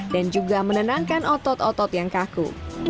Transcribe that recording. juga menenangkan otot otot yang kaku